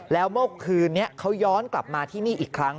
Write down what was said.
แล้วเมื่อคืนนี้เขาย้อนกลับมาที่นี่อีกครั้ง